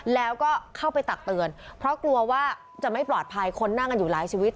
แล้วก็เข้าไปตักเตือนเพราะกลัวว่าจะไม่ปลอดภัยคนนั่งกันอยู่หลายชีวิต